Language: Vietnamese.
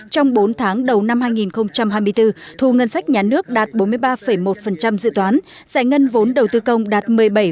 trong bốn tháng đầu năm hai nghìn hai mươi bốn thủ ngân sách nhà nước đạt bốn mươi ba một dự toán giải ngân vốn đầu tư công đạt